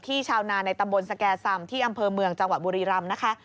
ชาวนาในตำบลสแก่ซำที่อำเภอเมืองจังหวัดบุรีรำนะคะ